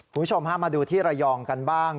คุณผู้ชมฮะมาดูที่ระยองกันบ้าง